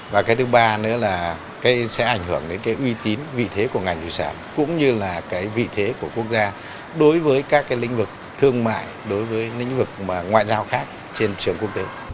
và thứ ba nữa là sẽ ảnh hưởng đến uy tín vị thế của ngành thủy sản cũng như vị thế của quốc gia đối với các lĩnh vực thương mại đối với lĩnh vực ngoại giao khác trên trường quốc tế